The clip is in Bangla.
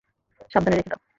সাবধানে রেখে দাও।